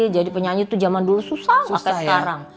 jadi penyanyi tuh zaman dulu susah banget sekarang